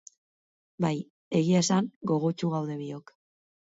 Bai, egia esan, gogotsu gaude biok.